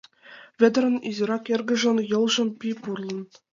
— Вӧдырын изирак эргыжын йолжым пий пурлын.